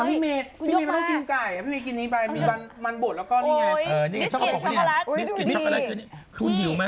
ไม่มีมันต้องกินไก่ไม่มีกินนี้ไปมีมันบดแล้วก็นี่ไงเออนี่ไง